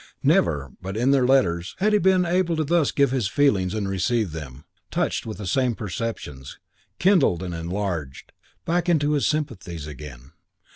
Never, but in their letters, had he been able thus to give his feelings and receive them, touched with the same perceptions, kindled and enlarged, back into his sympathies again.